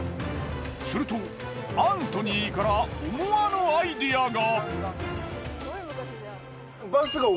するとアントニーから思わぬアイデアが。